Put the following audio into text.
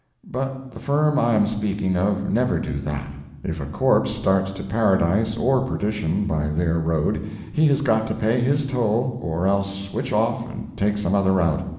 But the firm I am speaking of never do that—if a corpse starts to Paradise or perdition by their road he has got to pay his toll or else switch off and take some other route.